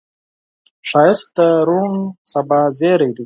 ښایست د روڼ سبا زیری دی